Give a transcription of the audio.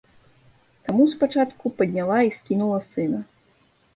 Таму спачатку падняла і скінула сына.